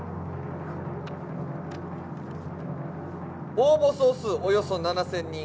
応募総数およそ７０００人。